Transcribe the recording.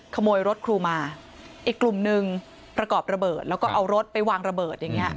ขโมยรถครูมาอีกกลุ่มหนึ่งประกอบระเบิดแล้วก็เอารถไปวางระเบิดอย่างเงี้